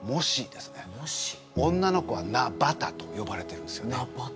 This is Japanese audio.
女の子はナ・バタとよばれてるんですよね。